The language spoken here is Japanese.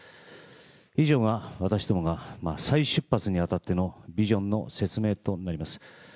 以上が私どもが再出発にあたってのビジョンの説明となります。